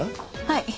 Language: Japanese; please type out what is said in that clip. はい。